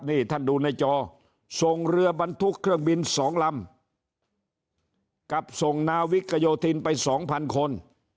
นี่ท่านดูในจอส่งเรือบรรทุกเครื่องบิน๒ลำกับส่งนาวิกโยธินไปสองพันคน